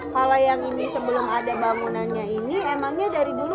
kementerian pekerjaan umum dan perumahan rakyat atau kementerian pupr